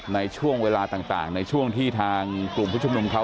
ในช่วงเวลาต่างในช่วงที่ทางกลุ่มผู้ชุมนุมเขา